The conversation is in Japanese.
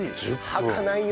はかないよね。